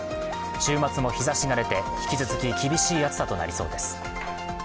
週末も日ざしが出て、引き続き厳しい暑さとなりそうです。